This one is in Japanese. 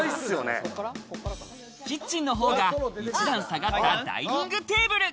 キッチンの方が一段下がったダイニングテーブル。